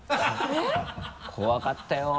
えっ？怖かったよ。